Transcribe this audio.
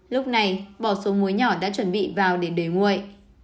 lúc này bỏ số muối nhỏ đã chuẩn bị vào để nguội